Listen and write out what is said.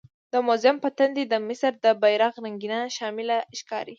د موزیم په تندي د مصر د بیرغ رنګینه شمله ښکاري.